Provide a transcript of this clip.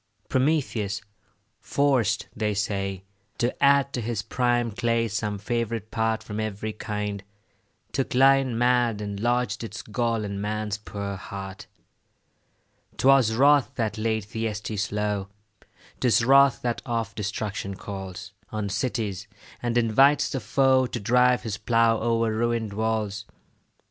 Prometheus, forced, they say, to add To his prime clay some favourite part From every kind, took lion mad, And lodged its gall in man's poor heart. 'Twas wrath that laid Thyestes low; 'Tis wrath that oft destruction calls On cities, and invites the foe To drive his plough o'er ruin'd walls.